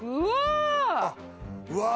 うわ！